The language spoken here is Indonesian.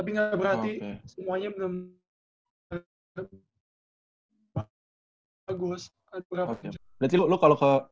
berarti lu kalo ke